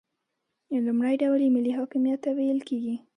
لومړی ډول یې ملي حاکمیت ته ویل کیږي.